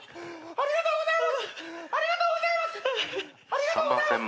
ありがとうございます！